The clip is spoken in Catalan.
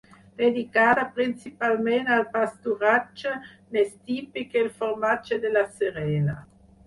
Dedicada principalment al pasturatge n'és típic el formatge de La Serena.